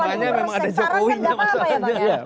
saran kan enggak apa apa ya bang ya